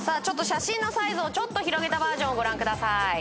ちょっと写真のサイズをちょっと広げたバージョンをご覧ください